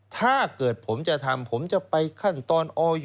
ถ้าเกิดผมจะทำผมจะไปขั้นตอนออย